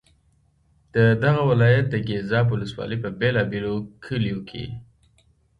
د دغه ولایت د ګیزاب ولسوالۍ په بېلا بېلو کلیو کې.